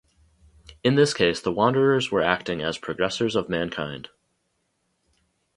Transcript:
In this case, the Wanderers were acting as progressors of mankind.